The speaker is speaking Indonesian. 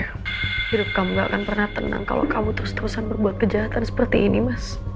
hidup kamu gak akan pernah tenang kalau kamu terus terusan berbuat kejahatan seperti ini mas